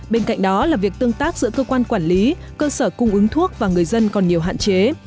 bên cạnh đó là việc tương tác giữa cơ quan quản lý cơ sở cung ứng thuốc và người dân còn nhiều hạn chế